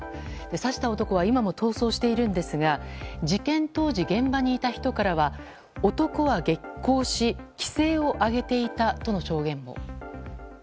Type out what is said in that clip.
刺した男は今も逃走しているんですが事件当時、現場にいた人からは男は激高し奇声を上げていたとの証言も。